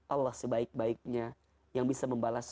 allah sebaik baiknya yang bisa membalas